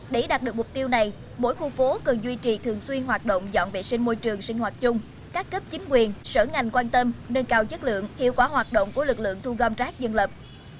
để đạt được mục tiêu này mỗi khu phố cần duy trì thường xuyên hoạt động dọn vệ sinh môi trường sinh hoạt chung các cấp chính quyền sở ngành quan tâm nâng cao chất lượng hiệu quả hoạt động của lực lượng thu gom rác dân lập